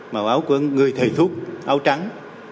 màu áo của người thầy thuốc áo trắng